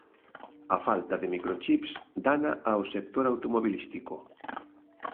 A falta de microchips dana ao sector automobilístico.